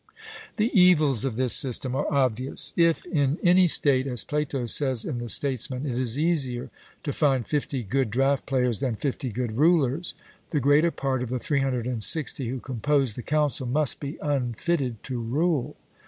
The evils of this system are obvious. If in any state, as Plato says in the Statesman, it is easier to find fifty good draught players than fifty good rulers, the greater part of the 360 who compose the council must be unfitted to rule.